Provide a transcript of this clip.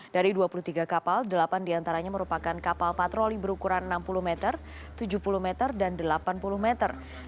dari dua puluh tiga kapal delapan diantaranya merupakan kapal patroli berukuran enam puluh meter tujuh puluh meter dan delapan puluh meter